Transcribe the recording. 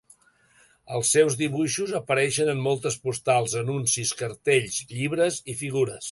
Els seus dibuixos apareixen en moltes postals, anuncis, cartells, llibres i figures.